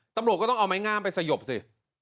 ตำรวจก็ต้องเอาไม้งามไปสยบสิ